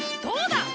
どうだ！